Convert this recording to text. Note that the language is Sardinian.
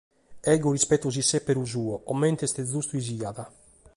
Deo rispeto su sèberu suo, comente est giustu chi siat.